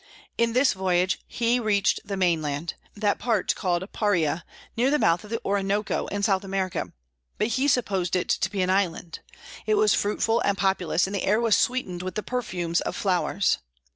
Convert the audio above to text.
In this voyage he reached the mainland, that part called Paria, near the mouth of the Orinoco, in South America, but he supposed it to be an island. It was fruitful and populous, and the air was sweetened with the perfumes of flowers.